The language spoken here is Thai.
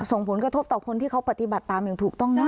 ส่งผลกระทบต่อคนที่เขาปฏิบัติตามอย่างถูกต้องนะ